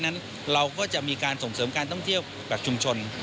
นั้นเราก็จะมีการส่งเสริมการท่องเที่ยวแบบชุมชน